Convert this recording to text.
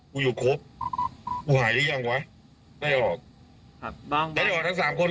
กูอยู่ครบกูหายหรือยังวะไม่ออกครับน้องไม่ได้ออกทั้งสามคน